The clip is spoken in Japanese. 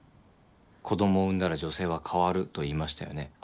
子供を産んだら女性は変わると言いましたよね。